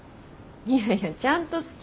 いやいやちゃんと好きだよ。